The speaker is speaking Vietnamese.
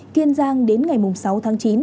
kiên giang đến ngày sáu tháng chín